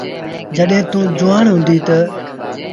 جڏهيݩٚ توٚنٚ جُوآڻ هُنٚدي تا